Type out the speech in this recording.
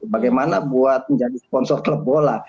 bagaimana buat menjadi sponsor klub bola